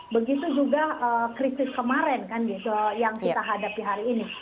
begitu juga krisis kemarin kan yang kita hadapi hari ini